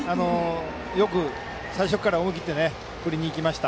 よく最初から思い切って振りに行きました。